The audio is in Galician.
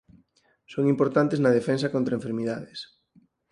Son importantes na defensa contra enfermidades.